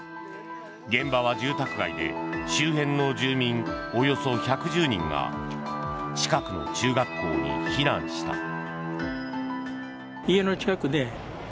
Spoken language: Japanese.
現場は住宅街で周辺の住民およそ１１０人が近くの中学校に避難した。